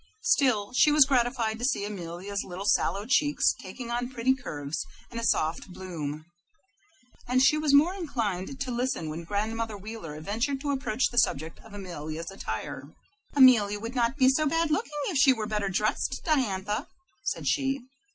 Still, she was gratified to see Amelia's little sallow cheeks taking on pretty curves and a soft bloom, and she was more inclined to listen when Grandmother Wheeler ventured to approach the subject of Amelia's attire. "Amelia would not be so bad looking if she were better dressed, Diantha," said she.